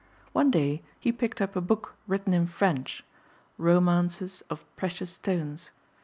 One day he picked up a book, written in French, "Romances of Precious Stones."